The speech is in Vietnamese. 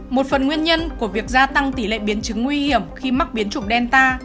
một phần nguyên nhân của việc gia tăng tỷ lệ biến chứng nguy hiểm khi mắc biến chủng delta